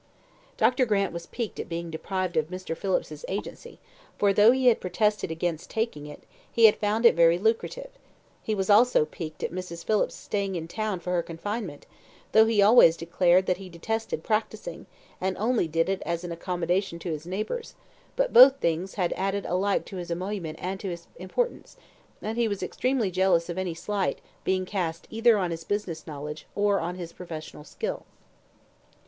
Dr. Grant was piqued at being deprived of Mr. Phillips's agency, for though he had protested against taking it, he had found it very lucrative; he was also piqued at Mrs. Phillips staying in town for her confinement, though he always declared that he detested practising, and only did it as an accommodation to his neighbours; but both things had added alike to his emolument and his importance, and he was extremely jealous of any slight being cast either on his business knowledge or his professional skill.